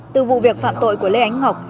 từ vụ việc phạm tội của lê ánh ngọc